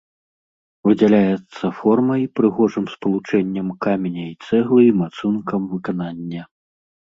Выдзяляецца формай, прыгожым спалучэннем каменя і цэглы і мацункам выканання.